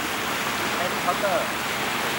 แฮร์รี่ พอตเตอร์